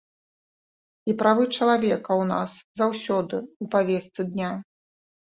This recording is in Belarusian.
І правы чалавека ў нас заўсёды ў павестцы дня.